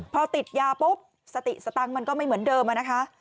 พอติดยาปุ๊บสติสตังค์มันก็ไม่เหมือนเดิมอะนะคะ